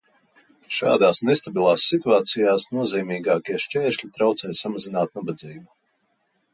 Šādās nestabilās situācijās nozīmīgākie šķēršļi traucē samazināt nabadzību.